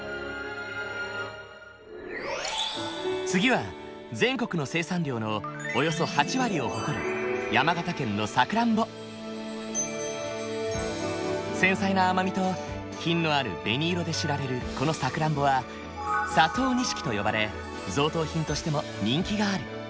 次は全国の生産量のおよそ８割を誇る繊細な甘みと品のある紅色で知られるこのさくらんぼは佐藤錦と呼ばれ贈答品としても人気がある。